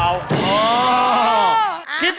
สวัสดีค่ะ